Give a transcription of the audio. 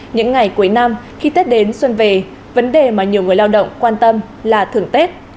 những ngày cuối năm khi tết đến xuân về vấn đề mà nhiều người lao động quan tâm là thường tết